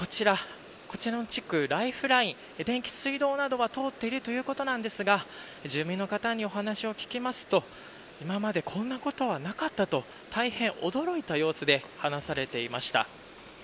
こちらの地区のライフライン電気や水道は通っているということですが住民の方にお話を聞きますと今までこんなことはなかった、と大変驚いた様子で話されていました。